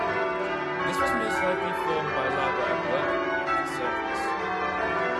This was most likely formed by lava upwelling beneath the surface.